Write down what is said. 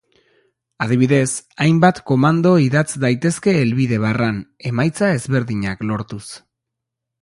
Adibidez, hainbat komando idatz daitezke helbide-barran, emaitza ezberdinak lortuz.